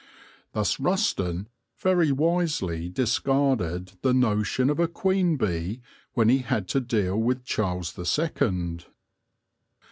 Thus Rusden very wisely discarded the notion of a queen bee when he had to deal with Charles the Second.